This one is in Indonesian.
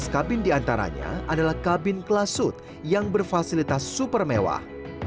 satu ratus lima belas kabin di antaranya adalah kabin kelas suit yang berfasilitas super mewah